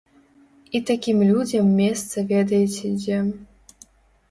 І такім людзям месца ведаеце дзе.